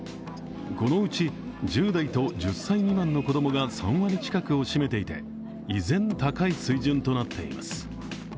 このうち１０代と１０歳未満の子供が３割近くを占めていて、